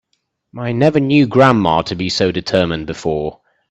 I never knew grandma to be so determined before.